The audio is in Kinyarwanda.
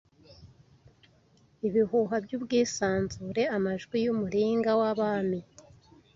ibihuha byubwisanzure amajwi yumuringa wabami